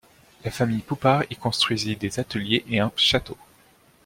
La famille Poupart y construisit des ateliers et un château.